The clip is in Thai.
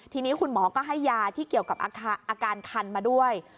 ทีนี้คุณหมอก็ให้ยาที่เกี่ยวกับอาการคันมาด้วย